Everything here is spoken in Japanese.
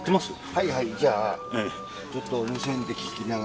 はいはいじゃあちょっと無線で聞きながら。